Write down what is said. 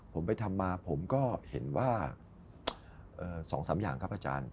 ผมไปทำมาผมก็เห็นว่า๒๓อย่างครับอาจารย์